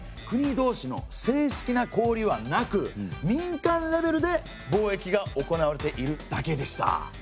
国同士の正式な交流はなく民間レベルで貿易が行われているだけでした。